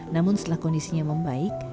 namun setelah kondisinya membaik